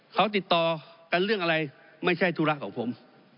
เขาติดต่อกันเรื่องอะไรไม่ใช่ธุระของผม